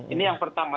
ini yang pertama